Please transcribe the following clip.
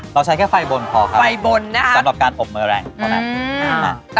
เราใช้แค่ไฟบนพอครับไฟบนนะครับสำหรับการอบเมอร์แรงอืม